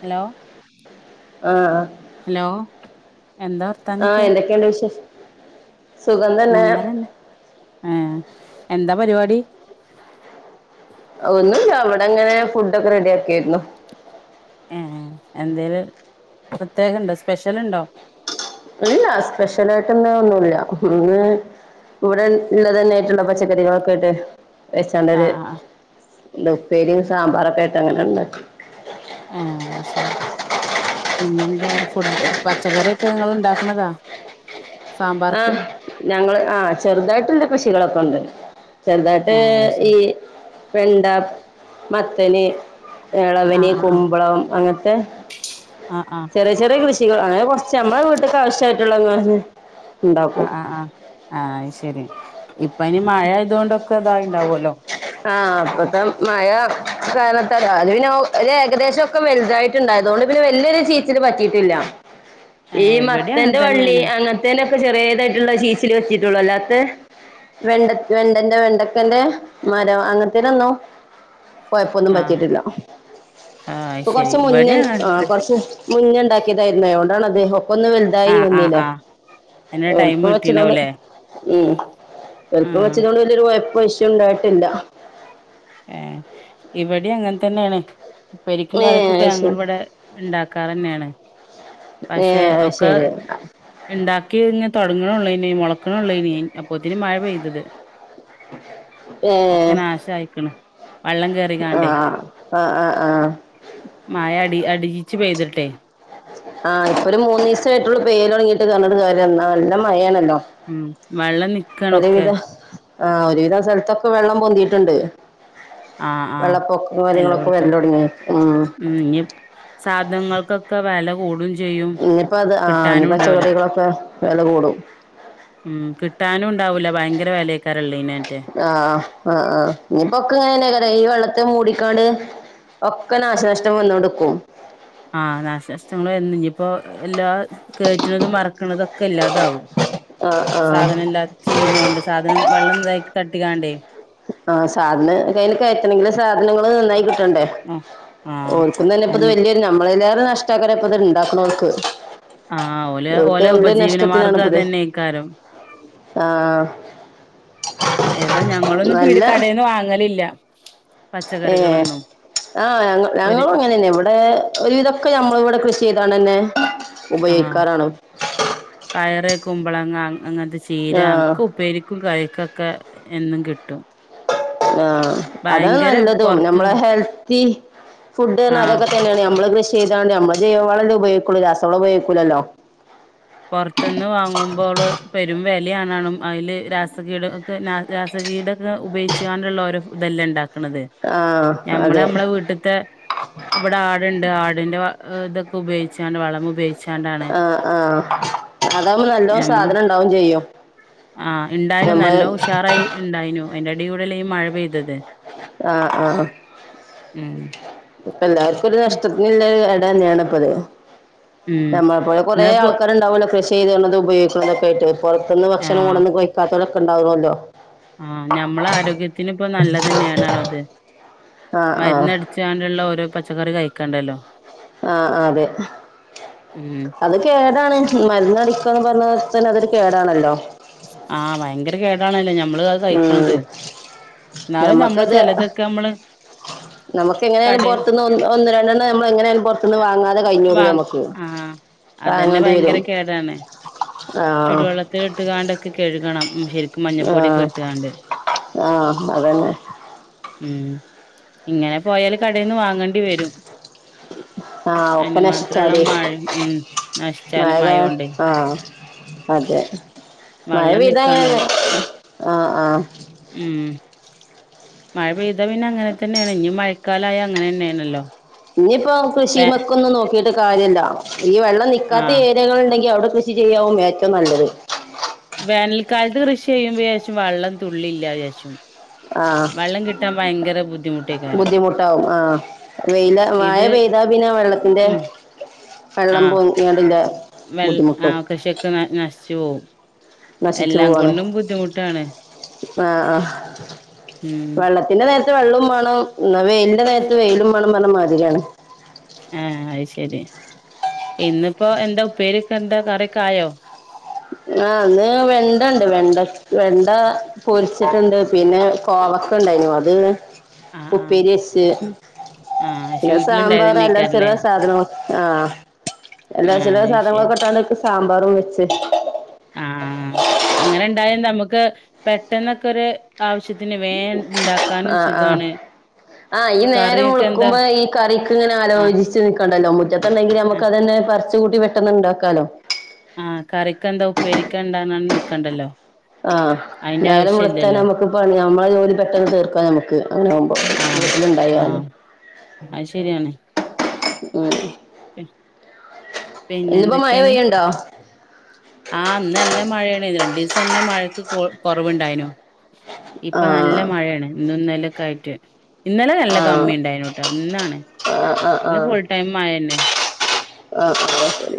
Hello ആ ആ hello എന്താ ആഹ് വർത്താനൊക്കെ എന്തൊക്കെയുണ്ട് വിശേഷം സുഖം തന്നെ നല്ലതന്നെ ആഹ എന്താ പരിപാടി ഒന്നുമില്ല അവിടെ അങ്ങനെ ഫുഡ് ഒക്കെ റെഡി ആക്കിയായിരുന്നു ഏ എന്തേലും പ്രത്യേകണ്ടോ സ്പെഷ്യലുണ്ടോ ഇല്ലില്ല സ്പെഷ്യൽ ആയിട്ടീന്ന് ഒന്നുമില്ല ഇന്ന് ഇവിടെ ഉള്ളതന്നെയിട്ടുള്ള പച്ചക്കറികളൊക്കെട്ട് ആഹ് വെച്ചാണ്ടരു ആഹ് ഉപ്പേരിയും സാമ്പാറൊക്കെ ആട്ട് അങ്ങനെണ്ട് ആ ശെരി പിന്നെന്താ ഫുഡ് പച്ചക്കറ്യോക്കെ ങ്ങള് ഇണ്ടാക്കണതാ ആ ഞങ്ങള് ആ ചെറുതായിട്ട്ണ്ട് കൃഷികളൊക്കെ ഇണ്ട് ചെറുതായിട്ട് ഏഹ് അത് ഈ ശരി വെണ്ട മത്തന് ആഹ് എളവന് ആഹ് കുമ്പളം അങ്ങനത്തെ ആഹ് ആഹ് ചെറിയ ചെറിയ കൃഷികൾ അങ്ങനെ കൊറച്ച് നമ്മളെ വീട്ട്ക്ക് ആവശ്യായിട്ടുള്ളങ്ങാ ആഹ് ആ ആഹ് ആ ശരി പ്പൊ ഇനി മഴ ആയതുകൊണ്ടൊക്കെ ഇതായിണ്ടാവുല്ലോ ആ അപ്പത്തെ മഴ കാരണത്താല് അത് പിന്നെ ഒരു ഏകദേശൊക്കെ വലുതായിട്ടുണ്ടായതുകൊണ്ട് ണ്ട് വല്യൊരു ചീച്ചല് പറ്റിട്ടില്ല ഈ ഏഹ് ഇവടിം അങ്ങൻ മത്തന്റെ വള്ളി തന്നേണ് അങ്ങനത്തെനൊക്കെ ചെറിതായിട്ടുള്ള ചീച്ച ല് വെച്ചിട്ടുള്ളൂ അല്ലാത്ത വെണ്ട വെണ്ടന്റെ വെണ്ടക്കൻന്റെ മരം അങ്ങനത്തെനൊന്നും കൊയ്‌പ്പൊന്നും ആഹ് പറ്റിട്ടില്ല ആഹ് അത് ഇപ്പൊ ശരി കൊറച്ച് മുന്നേ ഇവടിം അങ്ങൻ ആ കൊറച്ച് മുന്നെ ഇണ്ടാക്കിതായിരുന്നേ അതൊണ്ടാണത് ഒപ്പൊന്ന് വലുതായി ആഹ് ആഹ് വന്നീല ആഹ് അയ്ന്ള്ള ടൈം എളുപ്പം വെച്ചതോണ്ട് കിട്ടീണ്ടാവുംല്ലേ ഉം എളുപ്പം ആഹ് വെച്ചതോണ്ട് കൊണ്ട് വല്യൊയൊരു കൊഴപ്പം വിഷയണ്ടായിട്ടില്ല എ ഇവിടെം അങ്ങനെ തന്നാണ് പ്പേരിക്കും ഏ കറിക്കൊക്കെ അത് ഞങ്ങള് ശരി ഇവിടെ ഇണ്ടാക്കാറാന്നാണ് ഏ പക്ഷെ അത് ഒക്കെ ശരി ഇണ്ടാക്കിയഴിഞ്ഞ തൊടങ്ങനെ ഉള്ളു ഇനി മുളക്കണെള്ളോ ഇനി അപ്പൊത്തിന് മഴ പെയ്തത് ഏ ഒക്കെ നാശായിക്ക്ണ് വള്ളം ആ കേറികാണ്ടേ ആ ആ ആ അ അടിജിച്ച് പെയ്തിട്ടെ ആഹ് ഇപ്പൊ ഒരു മൂന്ന് ദിവസായിട്ടുള്ളൂ പെയ്യല് തൊടങ്ങീട്ട് [unintelligible] നല്ല മഴാണ് ണ്ടോ ഉം വള്ളം നിക്കാണൊക്കെ ഒരുവിധം ആ ഒരുവിധം സ്ഥലത്തൊക്കെ വെള്ളം പൊന്തിട്ട്ണ്ട് ആഹ് ആ വരൽ എല്ലോടത്തും തുടങ്ങി ഉം ഇനി സാധനങ്ങൾക്കൊക്കെ വെല കൂടും ചെയ്യും ഇനിപ്പോ അത് ആ ഇനി കിട്ടാനും ഉണ്ടാവൂല പച്ചക്കറികളൊക്കെ വെല കൂടും ഉം കിട്ടാനും ഉണ്ടാവൂല ഭയങ്കര വിലയക്കാറല്ലേ ഇനാറ്റേ ആഹ് ആഹ് ആഹ് ഇനിയിപ്പോ [unintelligible] ഈ വെള്ളത്തെ മൂടിക്കാണ്ട് ഒക്കെ നാശനഷ്ടം വന്നൊണ്ട്ക്കും ആഹ് നാശനഷ്ടങ്ങളും എ ഇനിപ്പോ എല്ലാ കേറ്റണതും ഇറക്കണതൊ ക്കല്ലാതാവും ആഹ് ആഹ് സാധനം എല്ലാം ചീയണൊണ്ട് സാധനം വെള്ളം [unintelligible] തട്ടിക്കാണ്ടേ ആഹ് സാധനം കയ്യിൽ കയറ്റണെങ്കില് സാധനങ്ങള് നന്നായി കിട്ടണ്ടേ ആഹ് ഓ ആഹ് [unintelligible] ഇത് അനി വല്ല്യൊരു [unintelligible] കഷ്ടാക്കരപ്പ ഇത് ഇണ്ടാക്കണോർക്ക് ആഹ് ഓലെ ഇവിടുത്തെ ഓലെ [unintelligible] ഉപജീവനമാർഗം നഷ്ടത്തിനാണ്പ്പത് അതന്നെയ്ക്കാരം ആ ഏതാ ഞങ്ങളൊന്നും പീട് നല്ല കടെന്ന് വാങ്ങലില്ല ഏ പച്ചക്കറികളൊന്നും ആ ഞങ്ങ ഒരു ഞങ്ങളും ഇങ്ങനന്നാ ഇവടെ ഒരുവിതൊക്കെ ഞമ്മള് ഇവടെ കൃഷി ചെയ് തണന്നെ ആ പയറ് കുമ്പളങ്ങ അങ്ങനത്തെ ചീര ആഹ് ഒക്കെ ഉപ്പേരിക്കും കറിക്കൊക്കെ എന്നും കിട്ടും ആ അതാ ഭയങ്കര നല്ലതും നമ്മളെ പൊറത്തുന്ന് ഹെൽത്തി ഫുഡ്ന്നാ ആഹ് അതൊക്കെ തന്നാണ് നമ്മള് കൃഷി ചെയ്താണ്ട് നമ്മള് ജൈവവളല്ലേ ഉപയോഗിക്കുള്ളൂ രാസ വളം ഉപോയോഗിക്കൂലല്ലോ പൊറത്ത്ന്ന് വാങ്ങുമ്പോള് പെരും വെലയാണണും അതില് രാസകീടകൊക്കെ രാസകീടകം ഉപയോഗിച്ചാണ്ട്ള്ള ഓരോ ഇതല്ലേ ഇണ്ടാക്കാ ക്കണത് ആഹ് ഞമ്മള് അതെ ഞമ്മളെ വീട്ട്ത്തെ ഇവടെ ആട്ണ്ട് ആടിന്റെ ഏ ഇതൊക്ക ഉപയോഗിച്ചാണ്ട് വളം ഉപയോഗിച്ചു ആഹ് ആഹ് അതാവുമ്പോ നല്ലോം ഞമ്മള് സാധനം ണ്ടാവും ചെയ്യും ആഹ് ണ്ടായാലും നമ്മള് നല്ലോ ഉഷാറായി ണ്ടായിനു അയിന്റെടി കൂടെല്ലേ ഈ മഴ പെയ്തത് ആഹ് ആഹ് ഉം ഇപ്പ എല്ലാർക്കും ഒരു നഷ്ടത്തിനുള്ള ഇടന്നെണ് ഇപ്പൊ ഇത് ഉം നമ്മളെപ്പോലെ കൊറേ എന്നാപ്പോ ആൾക്കാര്ണ്ടാവൂലോ കൃഷി [unintelligible] ഉപയോഗിക്കുന്നതൊക്കെയിട്ട് പുറത്തുന്ന് ഭക്ഷണം ആഹ് കൊടുന്ന് കഴിക്കാത്തോലൊക്കെണ്ടാവണല്ലോ ആഹ് ഞമ്മള ആരോഗ്യത്തിന് ഇപ്പോ നല്ലതന്നെണാണോ അത് ആഹ് ആഹ് മരുന്നടിച്ചാണ്ടുള്ള ഓരോ പച്ചക്കറി കഴിക്കണ്ടല്ലോ ആഹ് ആഹ് അതെ ഉം അത് കേടാണ് മരുന്നടി ന്ന് പറഞ്ഞ തന്നെ അതൊരു കേടാണല്ലോ ആഹ് ഭയങ്കര കേടാണല്ലോ ഞമ്മള് അത് ഉം കയിക്കണത് ന്നാലും നമ്മള് ഞമ്മക്കത് ചിലതൊക്കെമ്മള് നമുക്ക് എങ്ങനെയാലും പുറത്തുന്ന് ഒന്ന് ഒന്ന് രണ്ടെണ്ണം ഞമ്മള് എങ്ങനെയാലും പൊറത്തുന്ന് വാങ്ങാതെ വാങ്ങ കഴിഞ്ഞൂടൂലമ്മക്ക് ആഹ് വാങ്ങേണ്ടി വരും ആ ചുടുവെള്ളത്തിലിട്ടു കാണ്ടൊക്കെ കഴുകണം ഉം ശരിക്കും ആ മഞ്ഞപ്പൊടിയൊക്കെ ഇട്ടുകാണ്ട് ആ അതന്നെ ഉം ഇങ്ങനെ പോയാല് കടേന്ന് വാങ്ങണ്ടി വരും ആ ഒക്കെ അയിന് മാത്രള്ള നശിച്ചാടി മഴ മ് മഴ നശിച്ചാലും കാ- മഴോണ്ട് ആ അതെ മഴപെയ്ത നിക്കാണ് അങ്ങനെന്നെ ഉം മ്മ് മഴ പെയ്താ പിന്നെ അങ്ങനെ തന്നെയാണ്. ഞ്ഞി മയക്കാലായ അങ്ങനെന്നെണല്ലോ ഞ്ഞിപ്പോ കൃഷിമെക്കൊന്നും നോക്കിട്ട് കാര്യല്ല. ഈ വെള്ളം നിക്കാത്ത ആഹ് ഏരിയകള്ണ്ടെങ്കി അവിടെ കൃഷി ചെയ്യാവും ഏറ്റവും നല്ലത്. വേനൽക്കാലത്ത് കൃഷി ചെയ്യുമ്പോചാരിച്ചു വെള്ളം തുള്ളില്ലചാരിച്ചു. ആ വള്ളം കിട്ടാഭയങ്ക ബുദ്ധിമുട്ടാവും ആഹ് വെയിലാ മഴ ഇത് പെയ്താ പിന്നെ വെള്ളത്തിന്റെ ഉം വെള്ളം ആഹ് പൊങ്ങിയാണ്ട് ലേ വെൾ ആഹ് കൃഷിയൊക്കെ ന നശിച്ചു പോവു എല്ലാം കൊണ്ടും ബുദ്ധിമുട്ടാണ്. ആഹ് ആഹ് ഉം വെള്ളത്തിന്റെ നേര് വെള്ളോം വേണം ന്ന വെയിലിന്റെ നേരത്ത് വെയിലും വേണം പറഞ്ഞ മാതിരിയാണ് ആഹ് അത് ശരി ഇന്നിപ്പോ എന്താ ഉപ്പേരിക്കെന്താ കറിക്കെ ആയോ ആഹ് ഇന്ന് വെണ്ടണ്ട് വെണ്ട വെണ്ട പൊരിച്ചിട്ടുണ്ട് പിന്നെ കോവ ക്കെ ഇണ്ടായിനു അത് ആഹ് ആഹ് ഉപ്പേരിച്ച് ആഹ് പക്ഷെ പിന്നെ സാമ്പാറ് അല്ലറ വീട്ടിലുണ്ടായതന്നെക്കാരല്ലേ ചില്ലറ സാധനങ്ങളൊ ആഹ് എല്ലാ ആഹ് ചില അത് ശരി സാധനങ്ങളൊക്കെട്ടാണ് ഇപ്പ സാമ്പാറും വെച്ച് ആഹ് അങ്ങനെ ഇണ്ടായ നമുക്ക് പെട്ടെന്നൊക്കൊരു ആവശ്യത്തിന് വേ ഇണ്ടാക്കാനും സുഖാണ് ആഹ് ഈ നേരം കറിയൊക്കെ എന്താ വെളുക്കുമ്പോ ഈ കറിക്ക് ഇങ്ങനെ ആഹ് ആലോചിച്ച് നിക്ക് ണ്ടല്ലോ മുറ്റത്തുണ്ടെങ്കി ഞമ്മുക്ക് ആഹ് അതീന്ന് പറിച്ചു കൂട്ടി പെട്ടെന്ന്ണ്ടാക്കാലോ ആഹ് കറിക്കെന്താ ഉപ്പേരിക്കെന്താണെന്ന് നിക്കണ്ടല്ലോ ആഹ് അയിന്റെ നേരം ആവശ്യം വെളുത്താ ഇല്ലല്ലോ ഞമ്മക്ക് പണി നമ്മളെ ജോലി പെട്ടെന്ന് തീർക്കാ ഞമ്മക്ക് അങ്ങനെവുമ്പോ വീട്ടില് ഇണ്ടായാല് അയ് ശരിയാണ് ഉം പിന്നെ ഇന്നിപ്പോ മഴ എന്തൊക്കെയാണ് പെയ്യുണ്ടോ ആഹ് ഇന്ന് നല്ല മഴയാണ് ഇതി ഇസെല്ലാം മഴക്ക്‌ കു കൊറവണ്ടായിനു ആ ഇപ്പൊ നല്ല മഴയാണ് ഇന്നും ഇന്നലേം ക്കെ ആയിട്ട് ഇന്നലെ നല്ല ആ കമ്മിയുണ്ടായിന്നു ട്ടോ ഇന്നാണ്. ആ ആ ഇന്നു ആ ഫുൾടൈം മഴന്നെ. ആ ആ ശരി.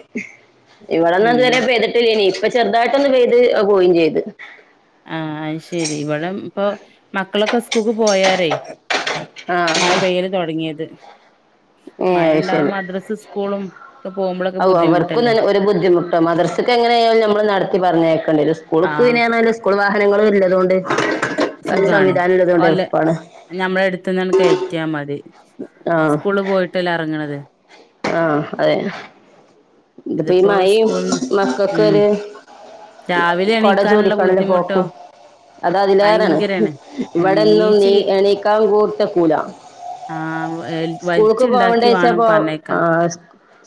ഇവിടൊന്നും ഉം ഇതുവരെ പെയ്തിട്ടില്ലേനി ഇപ്പ ചെറുതായിട്ടൊന്ന് പെയ്ത് അത് പോയിം ചെയ്ത് ആ അയ് ശെരി ഇവിടെ ഇപ്പൊ മക്കളൊക്കെ സ്കൂൾക്ക് പോയാറേ ആ മഴ പെയ്യല് തൊടങ്ങിയത്. ഏ മഴണ്ടാവും ശരി മദ്രസേം സ്കൂളും ഒക്കെ പോകുമ്പോഴൊക്കെ ഔ അവർക്കും ബുദ്ധിമുട്ടല്ലേ നല്ല ഒരു ബുദ്ധിമുട്ടാവും. മദ്രസക്ക്‌ എങ്ങനെയായാലും നമ്മള് നടത്തി പറഞ്ഞേക്കേണ്ടി വരും. സ്കൂള്ക്ക് ആഹ് പിന്നെ [unintelligible] സ്കൂൾ വാഹനങ്ങളും ഇല്ല അതുകൊണ്ട് സുഖാണ് ഓല്ല നമ്മള് ടെ അടുത്തന്നങ്ങട് കേറ്റിയാ മതി. സ്കൂള് പോയിട്ടല്ല എറങ്ങണ് ആ അതെ ഇതിപ്പോ ഈ മഴയും ഉം മക്കക്കൊരു രാവിലെ കൊട ചൂടി എണീക്കാനുള്ള [unintelligible] ബുദ്ധിമുട്ടോ പോക്കും അതാ അതിലേറാണ് ഭയങ്കരാണ് ഉം ഇവിടെന്നും നീച്ച് നീ എണീക്കാൻ പറ്റൂല ആ വലിച്ചുണ്ടാക്കി വേണം [unintelligible] ആ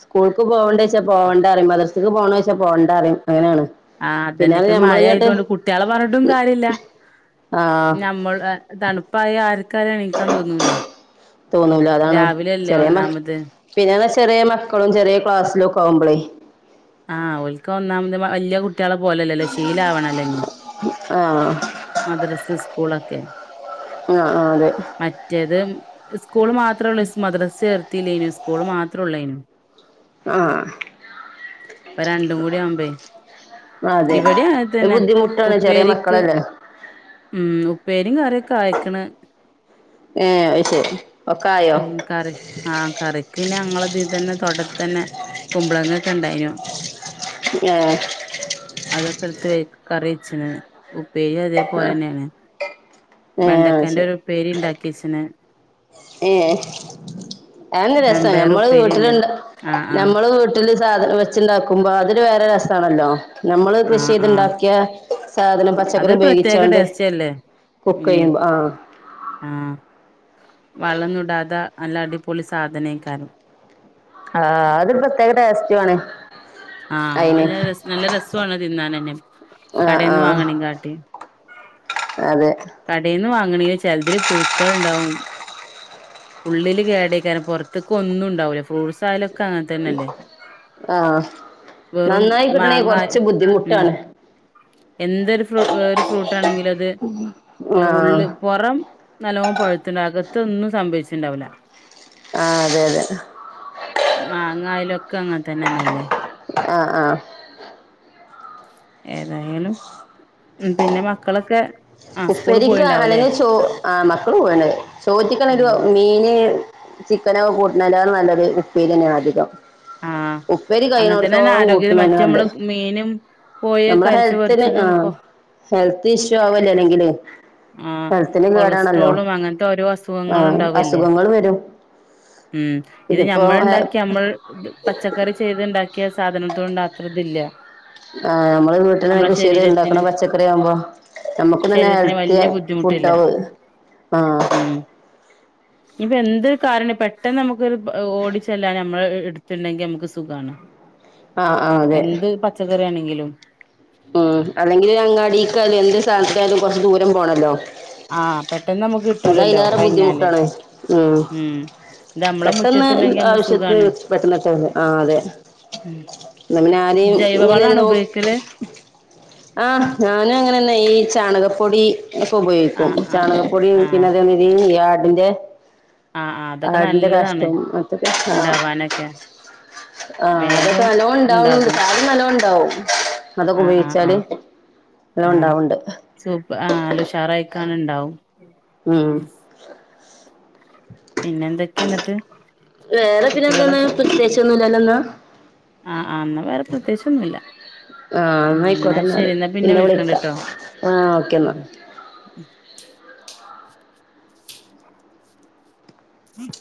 സ്കൂൾക്ക് പോകണ്ടേ ച്ചാ പോകണ്ടാറിയും. മദ്രസക്ക് പോണോച്ചാ പോകണ്ടാറയും. ആ അതന്നെ ഇപ്പ മഴ ആയതോണ്ട് കുട്ട്യാളെ പറഞ്ഞിട്ടും കാര്യല്ല്യാ. ആഹ് നമ്മൾ ആ തണുപ്പായ ആര്ക്കായാലും എണീക്കാൻ തോന്നൂലേ. തോന്നൂല അതാണ്, രാവിലെയല്ലേ ചെറിയമ്മ ഒന്നാമത് പിന്നെ ചെറ്യ മക്കളും ചെറ്യ ക്ലാസ്സിലും ഒക്ക ആവുമ്പളേ ആ ഓൾക്ക് ഒന്നാമത് വല്യ കു കുട്ട്യാളെ പോലല്ലല്ലോ ശീലം ആവണല്ലോ ഇഞ്ഞി ആഹ് മദ്രസ, സ്കൂളൊക്കെ ആ അതെ മറ്റേത് സ്കൂള് മാത്രേള്ളൂ. സ് മദ്രസെ ചേർത്തില്ലേന്നു. സ്കൂള് മാത്റേ ഉള്ളേയ്നു ആ ഇപ്പ രണ്ടും കൂടി ആമ്പേ അതെ ഇവിടേം അങ്ങനെ ഒരു തന്നെ ബുദ്ധിമുട്ടാണ് ചെറിയ ഉപ്പേരിക്ക് മക്കളല്ലേ ഉം ഉപ്പേരീം കറിയൊക്കെ ആയേക്കണ്. ഏഹ് അത് ശരി ഒക്കെ ആയോ ഉം. കറി. ആ കറിക്ക് പിന്നെ ഞങ്ങളത് ഇതന്നെ തൊട തന്നെ കുമ്പളങ്ങൊക്കെണ്ടായിനു. ഏഹ് അതൊക്കെ എടുത്ത് വയ് കറി വച്ചിന്. ഉ പ്പേരി, അതേപോലന്നെയാണ്. ഏഹ് അത് വെണ്ടക്കേന്റെ ഒരുപ്പേരിണ്ടാക്കി വെച്ചന്. ഏ ആന് രസം. വെമ്പയർ ഞമ്മള് ഉപ്പേരി ഇണ്ട് വീട്ടിലുണ്ട, ആ ആ ഞമ്മള് വീട്ടില് സാധനം വെച്ചുണ്ടാക്കുമ്പോ അതൊരു വേറെ രസാണല്ലോ. നമ്മള് ആ കൃഷി ആ ചെയ്തുണ്ടാക്കിയ സാധനം, പച്ചക്കറി അതൊരു പ്രത്യേക ഉപയോഗിച്ചോണ്ട് ടേസ്റ്റ് അല്ലേ ഉം കുക്കെയ്യുമ്പോ ആ ആ വളൊന്നുടാത നല്ല അടിപൊളി സാധന [unintelligible] ആ അതൊരു പ്രത്യേക ടേസ്റ്റുവാണ്. ആ അവന് രസ് നല്ല രസോവാണ് തിന്നാനന്നേ ആഹ് കടേന്ന് ആഹ് വാങ്ങണേം കാട്ടി അതെ കടേന്ന് വാങ്ങണതിൽ ചെലതിൽ പുഴുക്കൾ ഉണ്ടാവും ഉള്ളില് കേടയിക്കാനും പൊറത്തേക്ക് ഒന്നും ഉണ്ടാവൂല്ല. ഫ്രൂട്ട്സ് ആയാലും ക്ക അങ്ങത്തന്നല്ലേ. ആഹ് വെറും നന്നായി കിട്ടണെങ്കി മാങ്ങാ. കൊറച്ച് ഉം. ബുദ്ധിമുട്ടാണ് എന്തൊരു ഫ്രൂ ഒരു ഫ്രൂട്ടാണെങ്കിലും അത് ഏ ആഹ് ഉള്ള്, പൊറം നല്ലോണം പഴുത്തണ്ടാവും അകത്തൊന്നും സംഭവിച്ചിണ്ടാവില്ല. ആ അതെ അതെ ക്കും അങ്ങനെ തന്നന്നല്ലേ? ആ ആ ഏതായാലും പിന്നെ മക് ഉപ്പരിക്ക് അല്ലെങ്കിൽ ചോ ആ മക്കള് പോവാണ് ചോറ്റിക്കാണ് ഒരു ആഹ് മീന് ചിക്കനൊക്കെ കൂട്ടുനേക്കാള് നല്ലത് ഉപ്പേരി തന്നെയാണ് അധികം ആഹ് ഉപ്പോരി അങ്ങനെ തന്നെയാണ് കഴിയണടോത്തോളം ആരോഗ്യം കൂട്ടുന്നത് മറ്റേ തന്നെയാണ് നമ്മള് നല്ലത് മീനും കോഴിയൊക്കെ നമ്മളെ അരിച്ച് ഹെൽത്തിന് ആ പൊരിച്ചതും കൊ ഹെൽത്ത് ഇഷ്യൂ ആവുലേ അല്ലെങ്കില് ആ ഹെൽത്തിന് കേടാണല്ലോ കൊളസ്ട്രോളും അങ്ങനത്തെ ഓരോ അസുഖങ്ങളും ആഹ് ഉണ്ടാവുല്ലേ അസുഖങ്ങള് വരും ഉം ഇത് ഞമ്മള് ഇതിപ്പോ ഉണ്ടാക്കിയ ഞമ്മൾ പച്ചക്കറി ചെയ്ത് ഉണ്ടാക്കിയ സാധനത്തോണ്ട അത്ര ഇല്ല ആ നമ്മള് വീട്ടിന് കൃഷി ചെയ്ത് ഇണ്ടാക്കണം പച്ചക്കറി ആവുമ്പോ നമ്മുക്ക് തന്നെ ശരീരത്തിന് ത്തിയ വല്യ ബുദ്ധിമുട്ടില്ല ഫുഡാത് ഉം ഇത് എന്ത് കാരണം പെട്ടെന്ന് നമുക്കൊരു ബ ഓടിച്ചെല്ലൻ നമ്മള് എടുത്തുണ്ടെങ്കി നമുക്ക് സുഖാണ് ആഹ് ആഹ് അതെ എന്ത് പച്ചക്കറിയാണെങ്കിലും ഉം അല്ലെങ്കിൽ അങ്ങാടിയ്ക്ക് എന്ത് സഥാനത്തായാലും കുറച്ച് ദൂരം പോണല്ലോ ആഹ പെട്ടെന്ന് നമുക്ക് കിട്ടൂലല്ലോ അതയിലേറെ കഴിഞ്ഞാല് ബുദ്ധിമുട്ടാണ് ഉം ഇത് നമ്മളെ പെട്ടെന്ന് മുറ്റത്ത്ണ്ടെങ്കി നമ്മക്ക് ആവശ്യത്തിന് സുഖാണ് പെട്ടെന്നക്കെ വരുന്നേ ആ അതെ ഉം ന്ന പിന്നെ ആരെയും ഇങ്ങനെ ജൈവവളാണോ നോ ഉപയോഗിക്കല് ആഹ ഞാനും അങ്ങനെ തന്നെയാ ഈ ചാണക- പ്പൊടി ഒക്കെ ഉപയോഗിക്കും ആഹ് ആഹ് ചാണകപ്പൊടി പിന്നെ ആഹ് അതേ മാതിരി ഈ ആടിന്റെ ആഹ് ആഹ് അതൊക്കെ ആടിന്റെ നല്ലതാണ് കാഷ്ഠവും മത്തൊക്കെ ആ ഇണ്ടാവാനൊക്കെ ആഹ് അതൊക്കെ വേഗം നല്ലപോലെ ഉണ്ടാവണണ്ട് ഇണ്ടാകും സാധനങ്ങൾ നലോ താവും അതൊക്കെ ആഹ് ആഹ് ആഹ് ഉപയോഗിച്ചാല് എല്ലാം ഉണ്ടാവണ്ട് ആഹ നല്ല ഉഷാറായിക്കാണന്നുണ്ടാവും ഉം ക്കെ എന്നിട്ട് വേറെ പിന്നെ എന്താന്ന പ്രത്യേകിച്ച് ഒന്നുമല്ലല്ലോന്നാ ആഹ ആ എന്നാ വേറെ പ്രത്യേകിച്ചൊന്നുമില്ല ആഹ് ഉ എന്നാ ആയിക്കോട്ടെ എന്നാല് ശരി എന്നാ പിന്നെ വിളിക്കണ്ട വിളിക്കാം കേട്ടോ ആഹ് ഓക്കെ എന്നാ ഉം ഉം ഹം